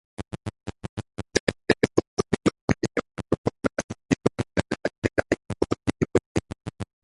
Cetere, krokodilo-bieno proponas vidon de la danĝeraj krokodiloj.